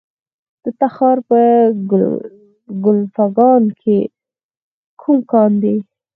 د تخار په کلفګان کې کوم کان دی؟